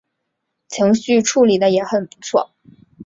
情绪处理的也很不错